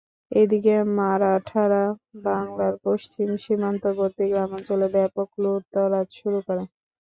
এদিকে মারাঠারা বাংলার পশ্চিম সীমান্তবর্তী গ্রামাঞ্চলে ব্যাপক লুটতরাজ শুরু করে।